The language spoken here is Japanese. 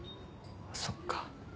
そっか。